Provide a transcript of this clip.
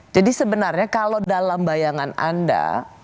jadi sebenarnya kalau dalam bayangan anda